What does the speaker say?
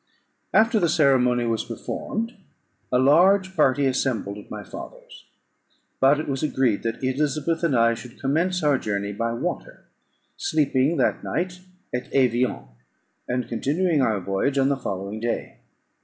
After the ceremony was performed, a large party assembled at my father's; but it was agreed that Elizabeth and I should commence our journey by water, sleeping that night at Evian, and continuing our voyage on the following day.